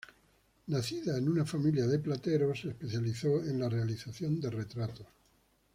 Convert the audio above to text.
Nacida en una familia de plateros, se especializó en la realización de retratos.